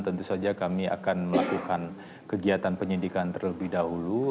tentu saja kami akan melakukan kegiatan penyidikan terlebih dahulu